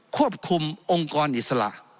ควบคุมองค์กรอิสระ